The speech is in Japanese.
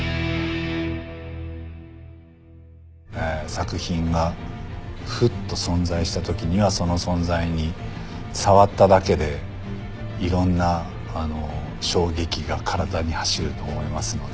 作品がふっと存在したときにはその存在に触っただけでいろんな衝撃が体に走ると思いますので。